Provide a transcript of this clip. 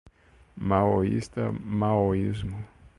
Maoísta, maoísmo